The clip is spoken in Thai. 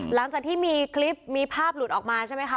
หลังจากที่มีคลิปมีภาพหลุดออกมาใช่ไหมคะ